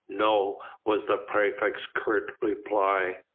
"No," was the praefect's curt reply.